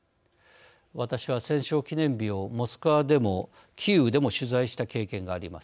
私は戦勝記念日をモスクワでもキーウでも取材した経験があります。